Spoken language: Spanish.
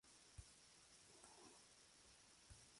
Lo más destacado de su obra son sus composiciones para teclado.